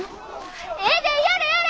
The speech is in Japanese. ええでやれやれ！